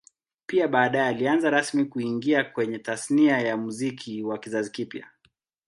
Pia baadae alianza rasmi kuingia kwenye Tasnia ya Muziki wa kizazi kipya